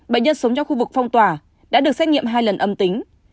bệnh nhân sống trong khu vực phong tỏa đã được xét nghiệm hai lần âm tính